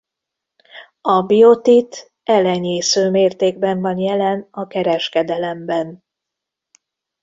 A biotit elenyésző mértékben van jelen a kereskedelemben.